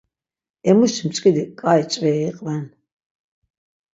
Emuşi mç̌ǩidi ǩai ç̌veri iqven.